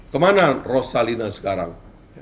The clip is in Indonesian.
kemana rosalina sekarang